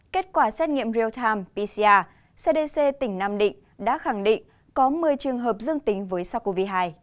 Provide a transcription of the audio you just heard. kết quả xét nghiệm real time pcr cdc tỉnh nam định đã khẳng định có một mươi trường hợp dương tính với sars cov hai